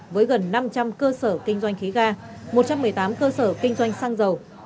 với gần năm trăm linh cơ sở kinh doanh khí ga một trăm một mươi tám cơ sở kinh doanh xăng dầu